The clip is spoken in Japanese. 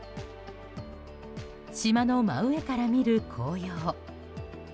島の真上から見る紅葉。